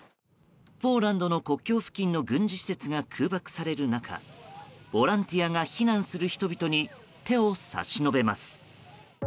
ポーランドの国境付近の軍事施設が空爆される中ボランティアが避難する人々に手を差し伸べます。